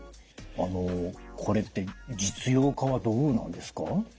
あのこれって実用化はどうなんですか？